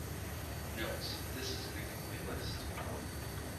Notes: This is an incomplete list.